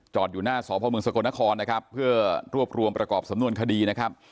อยู่หน้าสพเมืองสกลนครนะครับเพื่อรวบรวมประกอบสำนวนคดีนะครับ